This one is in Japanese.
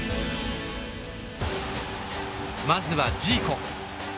まずはジーコ。